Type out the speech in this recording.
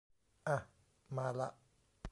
อะ มาละ